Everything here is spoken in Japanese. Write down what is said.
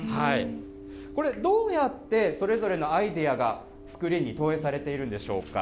これ、どうやってそれぞれのアイデアがスクリーンに投影されているんでしょうか。